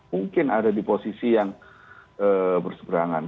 mungkin ada di posisi yang berseberangan